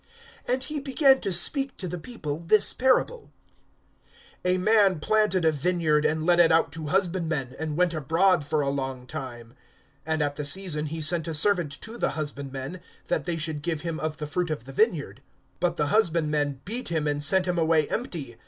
(9)And he began to speak to the people this parable: A man planted a vineyard, and let it out to husbandmen, and went abroad for a long time. (10)And at the season he sent a servant to the husbandmen, that they should give him of the fruit of the vineyard; but the husbandmen beat him, and sent him away empty.